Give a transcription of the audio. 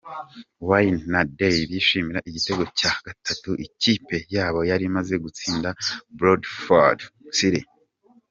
Wayne na Dyer bishimira igitego cya gatatu ikipe yabo yari imaze gutsinda Bradford City.